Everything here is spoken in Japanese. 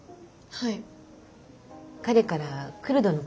はい。